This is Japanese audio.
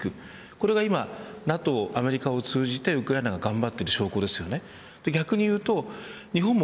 これが今ＮＡＴＯ、アメリカを通じてウクライナが頑張っている証拠ですよね。